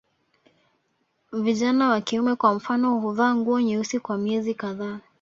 Vijana wa kiume kwa mfano huvaa nguo nyeusi kwa miezi kadhaa